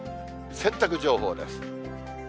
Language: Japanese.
洗濯情報です。